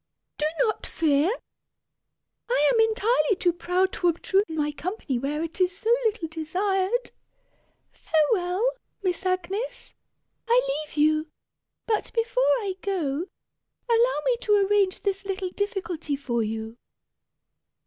"Do not fear! I am entirely too proud to obtrude my company where it is so little desired. Farewell, Miss Agnes; I leave you. But before I go, allow me to arrange this little difficulty for you."